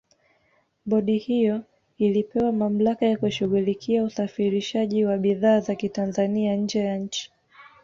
Bodi hiyo ilipewa mamlaka ya kushughulikia usafirishaji wa bidhaa za kitanzania nje ya nchi